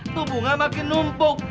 tuh bunga makin numpuk